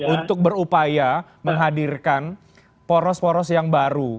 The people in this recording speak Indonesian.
untuk berupaya menghadirkan poros poros yang baru